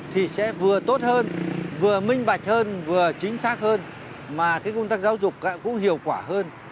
thì sẽ vừa tốt hơn vừa minh bạch hơn vừa chính xác hơn mà cái công tác giáo dục cũng hiệu quả hơn